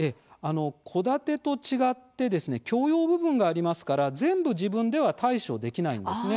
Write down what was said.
戸建てと違って共用部分がありますから全部自分では対処できないんですね。